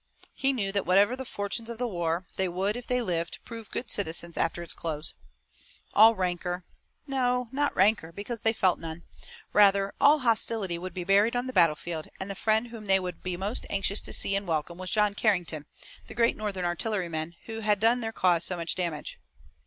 He knew that whatever the fortunes of the war, they would, if they lived, prove good citizens after its close. All rancor no, not rancor, because they felt none rather all hostility would be buried on the battlefield, and the friend whom they would be most anxious to see and welcome was John Carrington, the great Northern artilleryman, who had done their cause so much damage.